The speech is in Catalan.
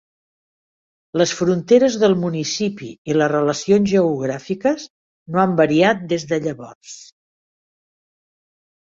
Les fronteres del municipi i les relacions geogràfiques no han variat des de llavors.